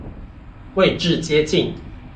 位置接近